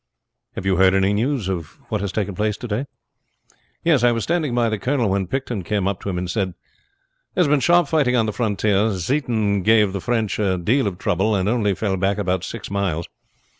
"Have you heard any news of what has taken place to day?" "Yes. I was standing by the colonel when Picton came up to him and said: "'There's been sharp fighting on the frontier. Zieten gave the French a deal of trouble, and only fell back about six miles.